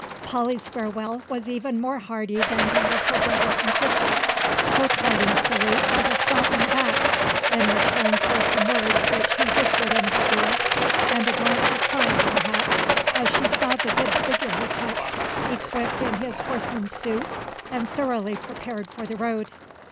Polly's farewell was even more hearty than that of her brother and sister. Her parting salute was a slap on the back, in return for some words which he whispered in her ear, and a glance of pride, perhaps, as she saw the good figure he cut, equipped in his horseman's suit and thoroughly prepared for the road.